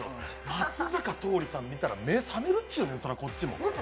松坂桃李さん見たら目覚めるっちゅうねん、こっちも。